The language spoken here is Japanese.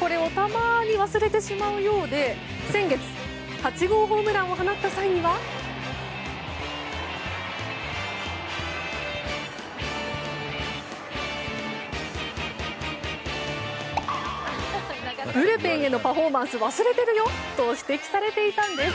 これをたまに忘れてしまうようで先月、８号ホームランを放った際にはブルペンへのパフォーマンス忘れてるよ！と指摘されていたんです。